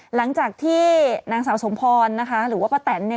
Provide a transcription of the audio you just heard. หลังจากที่นางสาวสมพรนะคะหรือว่าป้าแตนเนี่ย